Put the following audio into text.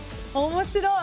面白い！